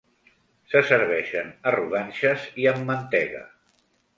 Se serveixen a rodanxes i amb mantega.